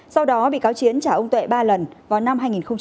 sau đó bị cáo chiến trả ông tuệ ba lần vào năm hai nghìn một mươi